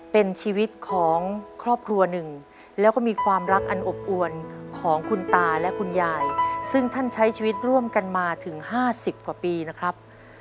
เป็นชีวิตของครอบครัวหนึ่งแล้วก็มีความรักอันอบอวนของคุณตาและคุณยายซึ่งท่านใช้ชีวิตร่วมกันมาถึง๕๐กว่าปีนะครับ